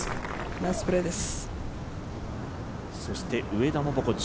ナイスプレーです。